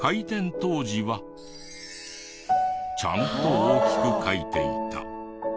当時はちゃんと大きく書いていた。